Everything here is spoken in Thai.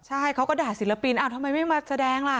ใช่เขาก็ด่าศิลปินอ้าวทำไมไม่มาแสดงล่ะ